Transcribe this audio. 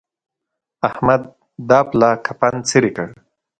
احمد دا پلا کفن څيرې کړ.